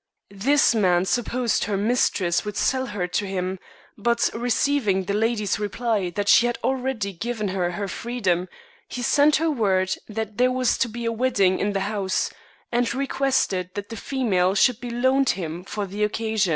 This man supposed her mistress would sell her to him, but receiving the lady's reply that she had already given her her freedom, he sent her word that there was to be a wedding in the house, and requested that the female should be loaned him for the occasion.